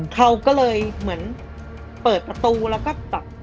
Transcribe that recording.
เขาก็เลยเหมือนเปิดประตูแล้วก็แบบ